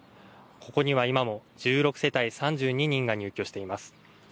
ここには今も１６世帯３２人が入居しています。